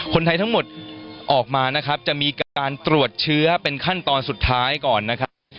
คนไทยทั้งหมดออกมานะครับจะมีการตรวจเชื้อเป็นขั้นตอนสุดท้ายก่อนนะครับ